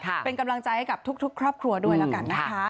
เป็นกำลังใจให้กับทุกครอบครัวด้วยแล้วกันนะคะ